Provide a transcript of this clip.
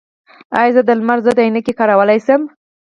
ایا زه د لمر ضد عینکې کارولی شم؟